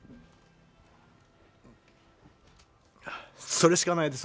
それしかないです。